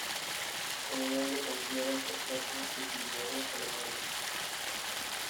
Todo ello confiere a este plato una exclusividad gastronómica.